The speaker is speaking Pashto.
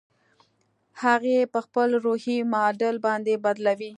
هغه يې په خپل روحي معادل باندې بدلوي.